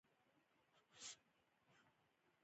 ما وويل که لوى يم که کوچنى.